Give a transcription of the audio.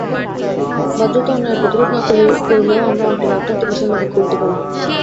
বাহ্যত অন্যায়ের প্রতিরোধ না করিলেও আমরা অন্তরে অত্যন্ত বিষণ্ণ বোধ করিতে পারি।